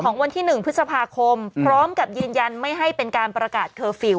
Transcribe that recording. วันที่๑พฤษภาคมพร้อมกับยืนยันไม่ให้เป็นการประกาศเคอร์ฟิลล